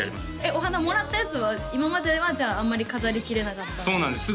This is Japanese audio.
お花もらったやつは今まではあんまり飾りきれなかったそうなんです